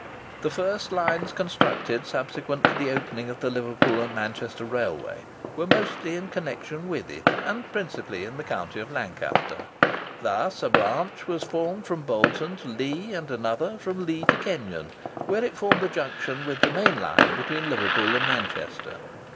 The first lines constructed subsequent to the opening of the Liverpool and Manchester Railway, were mostly in connection with it, and principally in the county of Lancaster. Thus a branch was formed from Bolton to Leigh, and another from Leigh to Kenyon, where it formed a junction with the main line between Liverpool and Manchester.